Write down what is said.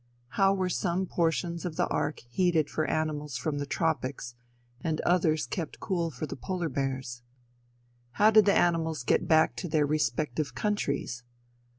How were some portions of the ark heated for animals from the tropics, and others kept cool for the polar bears? How did the animals get back to their respective countries?